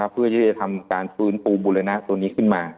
เพื่อที่จะทำการฟื้นฟูบุรณะตัวนี้ขึ้นมา